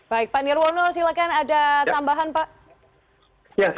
baik pak nirwono silahkan ada tambahan pak